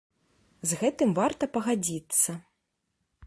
З гэтым варта пагадзіцца.